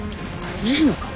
いいのか。